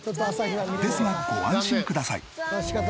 ですがご安心ください。